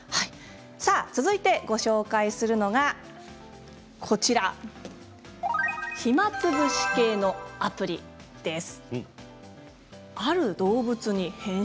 続いてご紹介するのが暇つぶし系のアプリです。